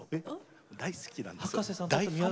大好きなんですよ。